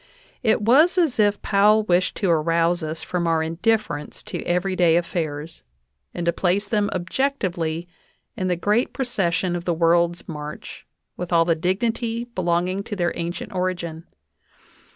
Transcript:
It was as if Powell wished to arouse us from our indifference to every day affairs, and to place them objectively in the great proces sion of the world's march, with all the dignity belonging to their ancient origin.